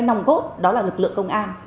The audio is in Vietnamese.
nồng cốt đó là lực lượng công an